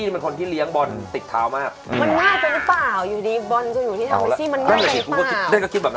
เด็กก็คิดแบบนั้นเหมือนกัน